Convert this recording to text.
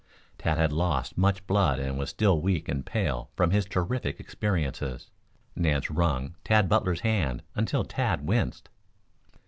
Tad had lost much blood and was still weak and pale from his terrific experiences. Nance wrung Tad Butler's hand until Tad winced.